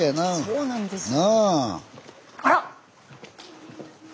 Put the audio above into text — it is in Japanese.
そうなんですよ。